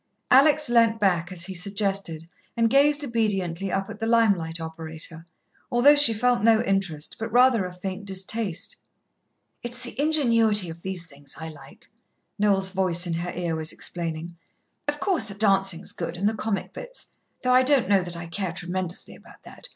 Alex leant back as he suggested and gazed obediently up at the lime light operator, although she felt no interest, but rather a faint distaste. "It's the ingenuity of these things I like," Noel's voice in her ear was explaining. "Of course, the dancing's good, and the comic bits, though I don't know that I care tremendously about that.